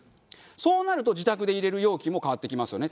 そうなると自宅で入れる容器も変わってきますよね。